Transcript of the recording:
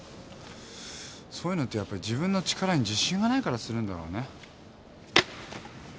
そういうのってやっぱり自分の力に自信がないからするんだろうね。